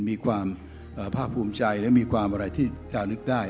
มีความภาคภูมิใจและมีความอะไรที่ชาวนึกได้